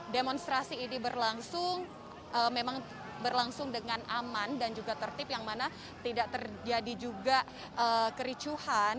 demonstrasi ini berlangsung memang berlangsung dengan aman dan juga tertib yang mana tidak terjadi juga kericuhan